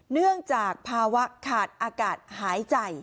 เนื่องจากภาวะขาดอากาศหายใจ